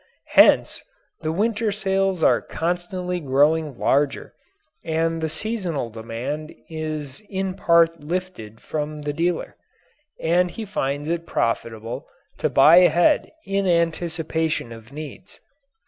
Hence the winter sales are constantly growing larger and the seasonal demand is in part lifted from the dealer. And he finds it profitable to buy ahead in anticipation of needs.